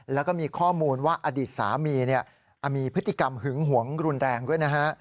แล้วก็มีข้อมูลว่าอดีตสามีมีพฤติกรรมหึงหวงรุนแรงด้วยนะฮะ